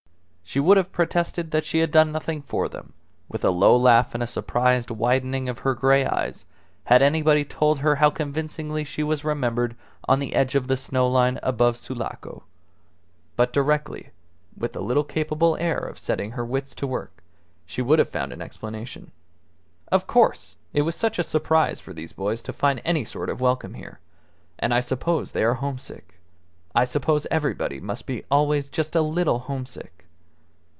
She would have protested that she had done nothing for them, with a low laugh and a surprised widening of her grey eyes, had anybody told her how convincingly she was remembered on the edge of the snow line above Sulaco. But directly, with a little capable air of setting her wits to work, she would have found an explanation. "Of course, it was such a surprise for these boys to find any sort of welcome here. And I suppose they are homesick. I suppose everybody must be always just a little homesick."